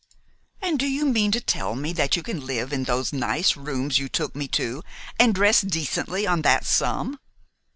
"And do you mean to tell me that you can live in those nice rooms you took me to, and dress decently on that sum?"